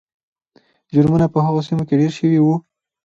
جرمونه په هغو سیمو کې ډېر شوي وو.